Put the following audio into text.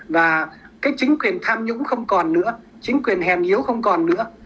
và cái chính quyền tham nhũng không còn nữa chính quyền hèn yếu không còn nữa